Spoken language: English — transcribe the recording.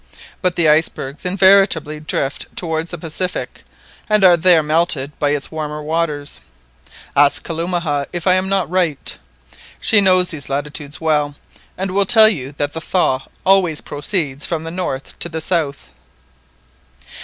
But the icebergs invariably drift towards the Pacific, and are there melted by its warmer waters. Ask Kalumah if I am not right. She knows these latitudes well, and will tell you that the thaw always proceeds from the north to the south."